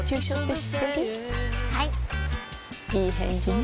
いい返事ね